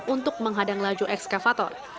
untuk menghadang laju ekskavator